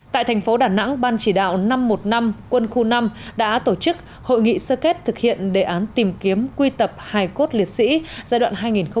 tại thành phố đà nẵng ban chỉ đạo năm trăm một mươi năm quân khu năm đã tổ chức hội nghị sơ kết thực hiện đề án tìm kiếm quy tập hài cốt liệt sĩ giai đoạn hai nghìn một mươi sáu hai nghìn hai mươi